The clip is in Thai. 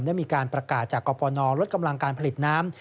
ได้มีการประกาศจากกรปนลดกำลังการผลิตน้ำ